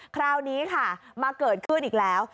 คราวนี้ค่ะมาเกิดขึ้นอีกแล้ว